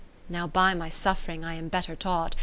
10 Now by my suffring I am better taught.